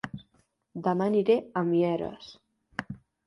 Dema aniré a Mieres